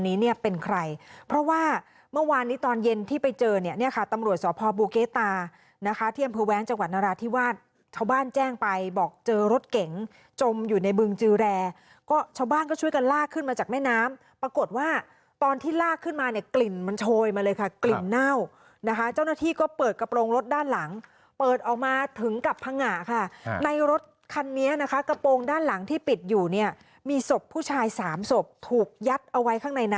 นี้เนี่ยเป็นใครเพราะว่าเมื่อวานนี้ตอนเย็นที่ไปเจอเนี่ยเนี่ยค่ะตำรวจสวพบูเกตานะคะเที่ยมพื้นแว้งจังหวัดนราชที่ว่าชาวบ้านแจ้งไปบอกเจอรถเก๋งจมอยู่ในบึงจือแรกก็ชาวบ้านก็ช่วยกันลากขึ้นมาจากแม่น้ำปรากฏว่าตอนที่ลากขึ้นมาเนี่ยกลิ่นมันโชยมาเลยค่ะกลิ่นเน่านะคะเจ้าหน้าที่ก็เป